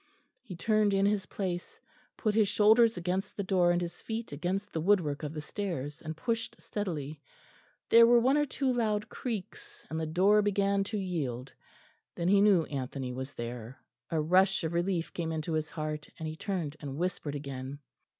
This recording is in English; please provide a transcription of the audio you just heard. He turned in his place, put his shoulders against the door and his feet against the woodwork of the stairs, and pushed steadily; there were one or two loud creaks, and the door began to yield. Then he knew Anthony was there; a rush of relief came into his heart and he turned and whispered again.